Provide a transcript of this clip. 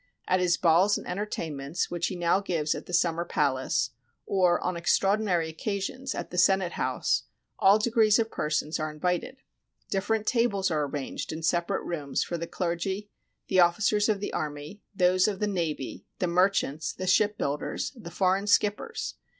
At his balls and entertainments, which he now gives at the Summer Palace, or, on extraordinary occasions, at the Senate House, all degrees of persons are invited. Different tables are arranged in separate rooms for the clergy, the officers of the army, those of the navy, the merchants, the shipbuilders, the foreign skippers.